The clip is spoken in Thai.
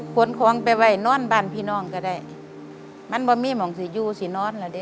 ขนของไปไว้นอนบ้านพี่น้องก็ได้มันบ่มีมองสิอยู่สินอนล่ะดิ